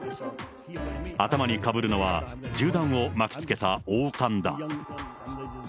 頭にかぶるのは、銃弾を巻きつけた王冠だ。